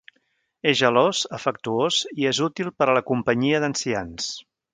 És gelós, afectuós i és útil per a la companyia d'ancians.